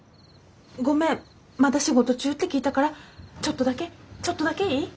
ごめんまだ仕事中って聞いたからちょっとだけちょっとだけいい？